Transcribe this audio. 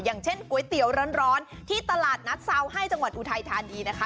อย่างเช่นก๋วยเตี๋ยวร้อนที่ตลาดนัดเซาให้จังหวัดอุทัยธานีนะคะ